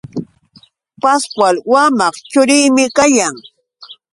Pascual wamaq churiymi kayan.